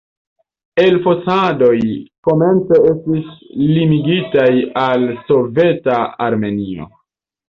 Elfosadoj komence estis limigitaj al soveta Armenio.